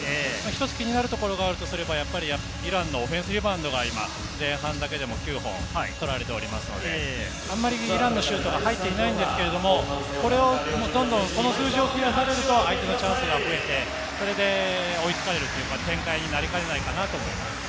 一つ気になるところがあるとすれば、イランのオフェンスリバウンドが前半だけでも９本取られておりますので、あんまりイランのシュートは入っていないんですが、どんどんこの数字を増やされると、相手のチャンスが増えて追いつかれる展開になりかねないかなと思います。